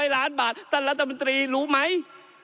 ๕๐๐ล้านบาทท่านลำตรีรู้ไหม